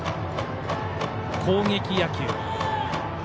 攻撃野球。